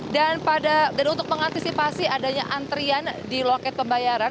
dan untuk mengantisipasi adanya antrian di loket pembayaran